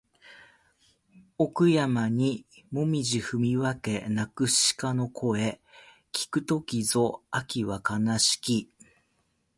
奥山にもみぢ踏み分け鳴く鹿の声聞く時ぞ秋は悲しき